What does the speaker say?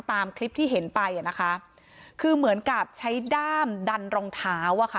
ตามคลิปที่เห็นไปอ่ะนะคะคือเหมือนกับใช้ด้ามดันรองเท้าอ่ะค่ะ